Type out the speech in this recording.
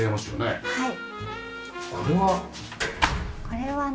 はい。